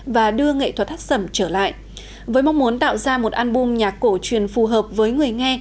và đưa nghệ thuật hát sẩm trở lại với mong muốn tạo ra một album nhạc cổ truyền phù hợp với người nghe